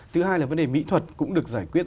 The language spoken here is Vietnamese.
thứ hai là vấn đề mỹ thuật cũng được giải quyết